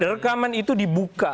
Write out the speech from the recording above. rekaman itu dibuka